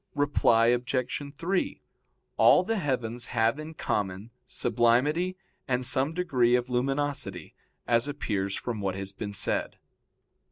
Reply Obj. 3: All the heavens have in common sublimity and some degree of luminosity, as appears from what has been said.